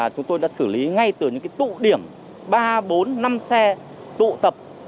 chúng tôi đã xử lý ngay từ những tụ điểm ba bốn năm xe tụ tập